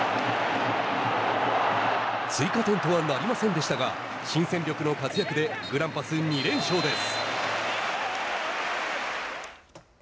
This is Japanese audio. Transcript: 追加点とはなりませんでしたが新戦力の活躍でグランパス２連勝です。